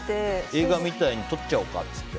映画みたいに撮っちゃおうかって。